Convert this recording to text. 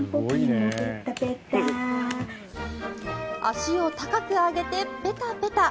足を高く上げてペタペタ。